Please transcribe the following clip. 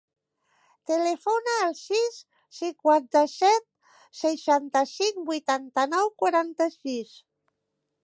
Telefona al sis, cinquanta-set, seixanta-cinc, vuitanta-nou, quaranta-sis.